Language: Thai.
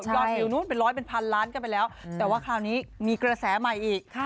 วิวนู้นเป็นร้อยเป็นพันล้านกันไปแล้วแต่ว่าคราวนี้มีกระแสใหม่อีก